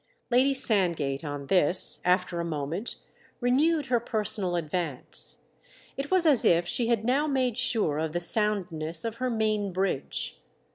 Lady Sandgate, on this, after a moment, renewed her personal advance; it was as if she had now made sure of the soundness of her main bridge.